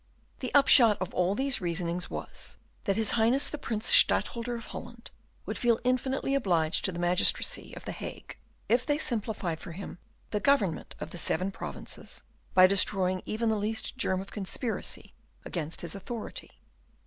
The upshot of all these reasonings was, that his Highness the Prince Stadtholder of Holland would feel infinitely obliged to the magistracy of the Hague if they simplified for him the government of the Seven Provinces by destroying even the least germ of conspiracy against his authority.